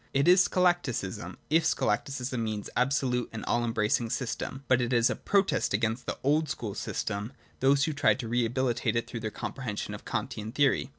It is scholasticism, if scho lasticism means an absolute and all embracing system ; but it is a protest against the old school system and those who tried to rehabilitate it through their compre hensions of the Kantian theory.